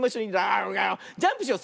ジャンプしよう。